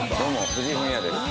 藤井フミヤです。